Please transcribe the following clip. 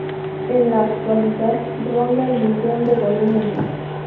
En la actualidad ronda el millón de volúmenes.